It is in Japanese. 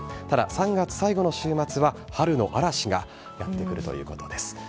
ただ、３月最後の週末は春の嵐がやって来るということです。